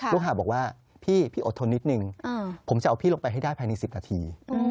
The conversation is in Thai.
หาบอกว่าพี่อดทนนิดนึงผมจะเอาพี่ลงไปให้ได้ภายใน๑๐นาที